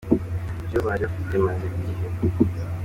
ibyo bari bafite imaze igihe.